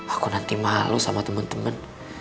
aku nanti malu sama temen temen